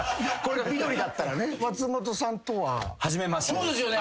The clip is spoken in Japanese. そうですよね！